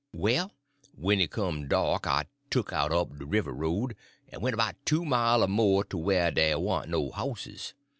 "Well, when it come dark I tuck out up de river road, en went 'bout two mile er more to whah dey warn't no houses.